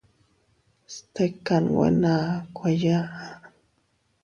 Stikan nwe naa kueyaʼa.